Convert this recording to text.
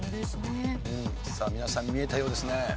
さあ皆さん見えたようですね。